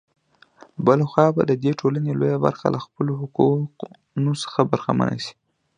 بـله خـوا بـه د دې ټـولـنې لـويه بـرخـه لـه خپـلـو حـقـونـو څـخـه بـرخـمـنـه شـي.